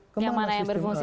yang mana yang berfungsi